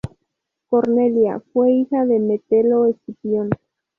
Cornelia fue hija de Metelo Escipión.